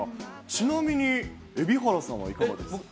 ちなみに、蛯原さんはいかがですか？